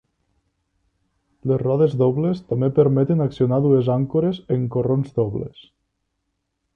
Les rodes dobles també permeten accionar dues àncores en corrons dobles.